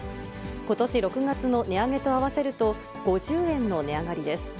ことし６月の値上げと合わせると、５０円の値上がりです。